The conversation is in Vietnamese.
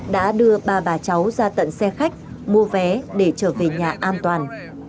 đã đưa ba bà cháu ra tận xe khách mua vé để trở về nhà an toàn